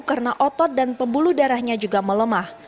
karena otot dan pembuluh darahnya juga melemah